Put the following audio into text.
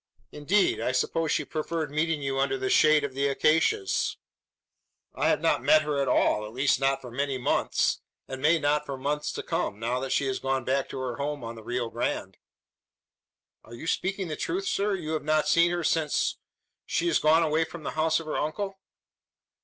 "Indeed! I suppose she preferred meeting you under the shade of the acacias!" "I have not met her at all; at least, not for many months; and may not for months to come now that she has gone back to her home on the Rio Grande." "Are you speaking the truth, sir? You have not seen her since she is gone away from the house of her uncle?"